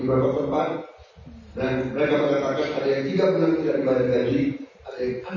ada yang enam bulan tidak dibayar gaji